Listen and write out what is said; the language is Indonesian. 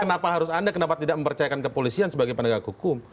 kenapa harus anda kenapa tidak mempercayakan kepolisian sebagai penegak hukum